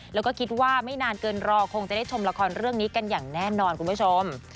แล้วก็คิดว่าไม่นานเกินรอคงจะได้ชมละครเรื่องนี้กันอย่างแน่นอนคุณผู้ชม